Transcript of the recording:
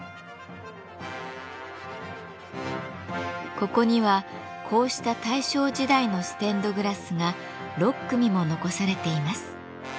ここにはこうした大正時代のステンドグラスが６組も残されています。